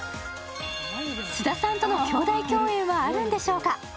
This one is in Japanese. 菅田さんとの兄弟共演はあるんでしょうか。